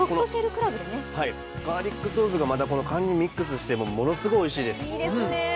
ガーリックソースがカニにミックスしてものすごいおいしいです。